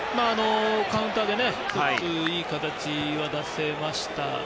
カウンターで１つ、いい形は出せました。